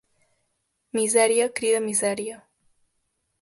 Misèria crida misèria.